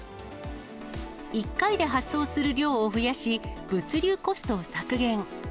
１回で発送する量を増やし、物流コストを削減。